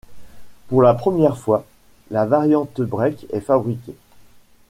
Pour la première fois, la variante break est fabriquée.